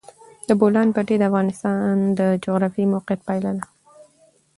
د بولان پټي د افغانستان د جغرافیایي موقیعت پایله ده.